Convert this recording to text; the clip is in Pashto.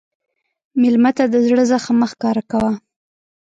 مېلمه ته د زړه زخم مه ښکاره کوه.